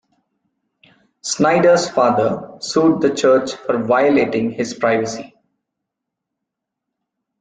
Snyder's father sued the church for violating his privacy.